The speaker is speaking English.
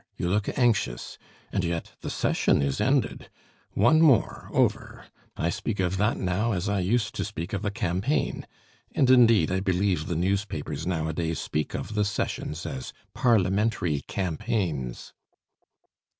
You look anxious. And yet the session is ended. One more over! I speak of that now as I used to speak of a campaign. And indeed I believe the newspapers nowadays speak of the sessions as parliamentary campaigns."